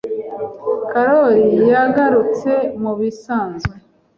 Karoli yagarutse mubisanzwe.